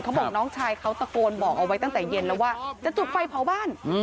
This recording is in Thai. บอกน้องชายเขาตะโกนบอกเอาไว้ตั้งแต่เย็นแล้วว่าจะจุดไฟเผาบ้าน